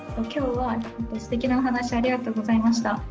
今日はすてきなお話ありがとうございました。